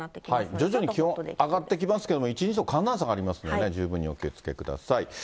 徐々に気温上がってきますけれども、一日の寒暖差がありますので、十分にお気をつけください。